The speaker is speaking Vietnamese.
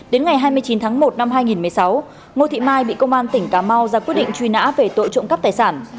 đến ngày hai mươi chín tháng một năm hai nghìn một mươi sáu ngô thị mai bị công an tỉnh cà mau ra quyết định truy nã về tội trộm cắp tài sản